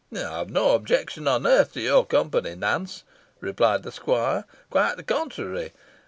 "I have no objection on earth to your company, Nance," replied the squire; "quite the contrary.